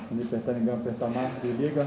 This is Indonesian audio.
ini pertandingan pertama di liga